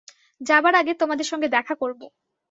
যাবার আগে তোমাদের সঙ্গে দেখা করব।